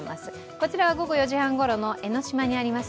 こちらは午後４時半ごろの江の島にあります